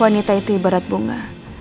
wanita itu ibarat bunga